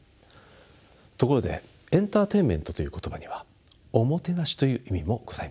ところでエンターテインメントという言葉にはおもてなしという意味もございます。